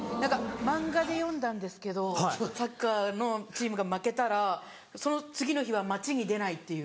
漫画で読んだんですけどサッカーのチームが負けたらその次の日は街に出ないっていう。